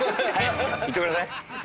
言ってください。